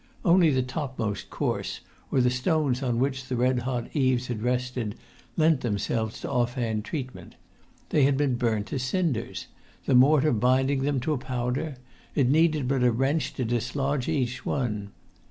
Only the topmost course, or the stones on which the red hot eaves had rested, lent themselves to off hand treatment; they had been burnt to cinders—the mortar binding them, to powder; it needed but a wrench to dislodge each one.